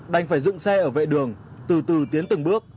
đành phải dựng xe ở vệ đường từ từ tiến từng bước